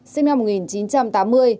sinh năm một nghìn chín trăm tám mươi